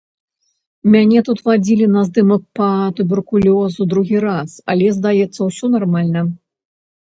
Мяне тут вадзілі на здымак па туберкулёзу другі раз, але, здаецца, усё нармальна.